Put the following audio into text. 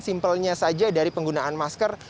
simpelnya saja dari penggunaan masker